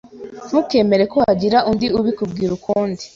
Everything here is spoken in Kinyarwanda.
Ntukemere ko hagira undi ubikubwira ukundi.